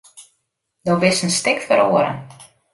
Do bist in stik feroare.